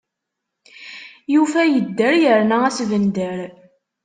Yufa yedder, yerna asbender.